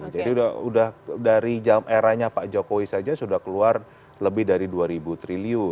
jadi udah dari jam eranya pak jokowi saja sudah keluar lebih dari dua ribu triliun